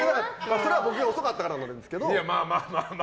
それは僕が遅かったからなんですけど。